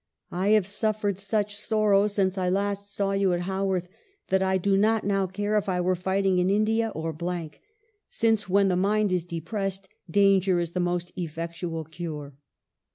I have suffered such sorrow since I last saw you at Haworth, that I do not now care if I were fighting in India or , since, when the mind is depressed, danger is the most effectual cure."